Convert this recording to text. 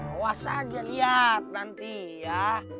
awas aja liat nanti ya